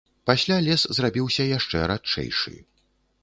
Пасля лес зрабіўся яшчэ радчэйшы.